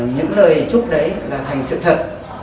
những lời chúc đấy là thành sự thật